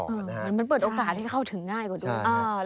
มันเปิดโอกาสที่เข้าถึงง่ายกว่าดู